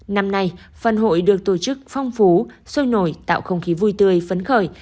năm nay phần hội được tổ chức phong phú sôi nổi tạo không khí vui tươi phấn khởi